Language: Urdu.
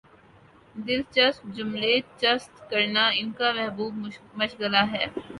دلچسپ جملے چست کرنا ان کامحبوب مشغلہ ہے